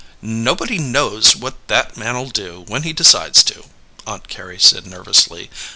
"Nobody knows what that man'll do, when he decides to!" Aunt Carrie said nervously.